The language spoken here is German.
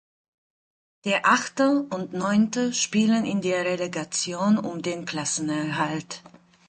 Der Achte und Neunte spielen in der Relegation um den Klassenerhalt.